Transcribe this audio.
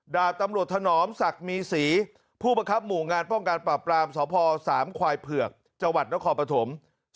ดาบตำรวจถนอมศักดิ์มีศรีผู้บังคับหมู่งานป้องกันปราบปรามสพสามควายเผือกจังหวัดนครปฐม